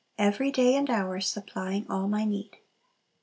Every day and hour supplying All my need."